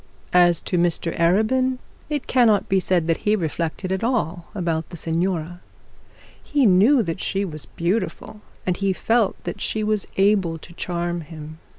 As to Mr Arabin, it cannot be said that he reflected at all about the signora. He knew that she was beautiful, and he felt that she was able to charm him.